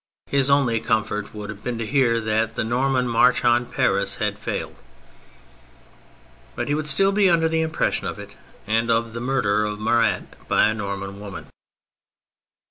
His only comfort would have been to hear that the Norman march on Paris had failed — but he would still be under the impression of it and of the murder of Marat by a Norman woman.